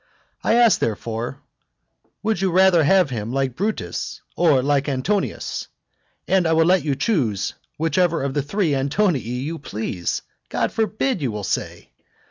I ask, therefore, would you rather have him like Brutus or like Antonius? and I will let you choose whichever of the three Antonii you please. God forbid! you will say.